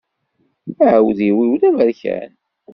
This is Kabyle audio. Aεudiw-iw d aberkan.